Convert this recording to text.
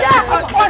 itu ada petongan